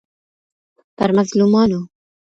پر مظلومانو